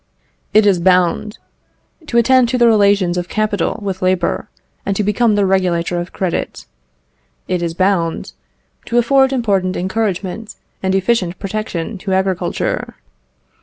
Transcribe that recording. It is bound "To attend to the relations of capital with labour, and to become the regulator of credit." It is bound "To afford important encouragement and efficient protection to agriculture."